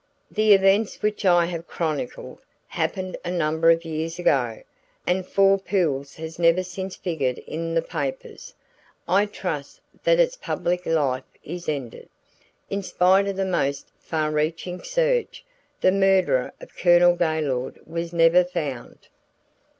The events which I have chronicled happened a number of years ago, and Four Pools has never since figured in the papers. I trust that its public life is ended. In spite of the most far reaching search, the murderer of Colonel Gaylord was never found.